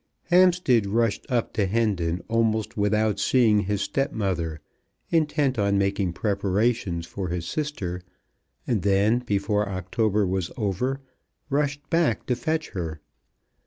Hampstead rushed up to Hendon almost without seeing his stepmother, intent on making preparations for his sister, and then, before October was over, rushed back to fetch her.